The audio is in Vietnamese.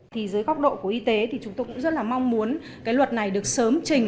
thì dưới góc độ của y tế thì chúng tôi cũng rất là mong muốn cái luật này được sớm trình